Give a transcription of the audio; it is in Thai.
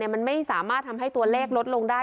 มันไม่สามารถทำให้ตัวเลขลดลงได้